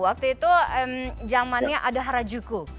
waktu itu zamannya ada harajuku